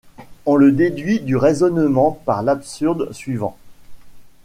On le déduit du raisonnement par l'absurde suivant.